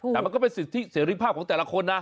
แต่มันก็เป็นสิทธิเสรีภาพของแต่ละคนนะ